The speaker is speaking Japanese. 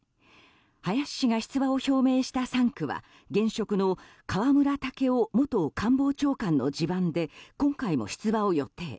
林氏が出馬を表明した３区は現職の河村建夫元官房長官の地盤で今回も出馬を予定。